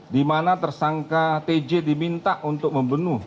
di mana tersangka tj diminta untuk membunuh